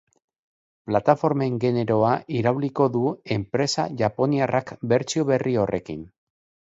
Plataformen generoa irauliko du enpresa japoniarrak bertsio berri horrekin.